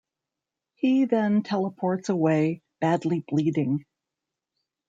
He then teleports away, badly bleeding.